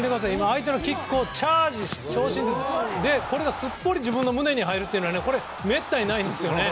相手のキックをチャージしてこれがすっぽり自分の胸に入るのはめったにないんですよ。